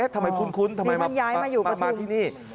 ทำไมคุ้นมาที่นี่